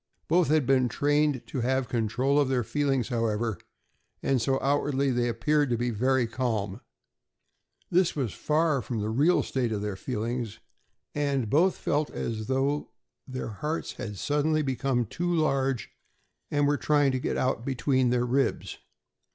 Both had been trained to have control of their feelings, however, and so outwardly they appeared to be very calm. This was far from being the real state of their feelings, and both felt as though their hearts had suddenly become too large and were trying to get out between their ribs.